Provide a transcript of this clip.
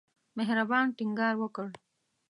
مهربان ټینګار وکړ.